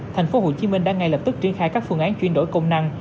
thành phố hồ chí minh đã ngay lập tức triển khai các phương án chuyển đổi công năng